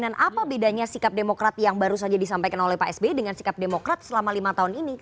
apa bedanya sikap demokrat yang baru saja disampaikan oleh pak sby dengan sikap demokrat selama lima tahun ini